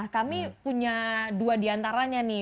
kami punya dua diantaranya nih